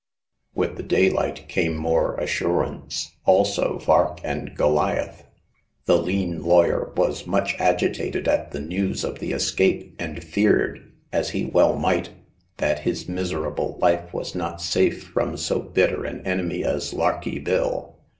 With the daylight came more assurance ; also Vark and Goliath. The lean lawyer was much agitated at the news of the escape, and feared — as he well might— that his miserable life was not safe from so bitter an enemy as Larky Bill.